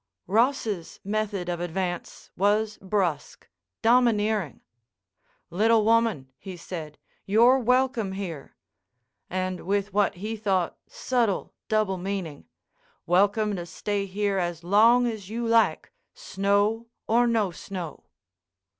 Ross's method of advance was brusque, domineering. "Little woman," he said, "you're welcome here!"—and with what he thought subtle double meaning—"welcome to stay here as long as you like, snow or no snow."